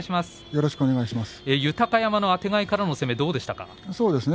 豊山のあてがいからの攻めどうですか。